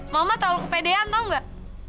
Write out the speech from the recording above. mama terlalu kepedean tahu nggak